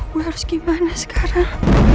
gue harus gimana sekarang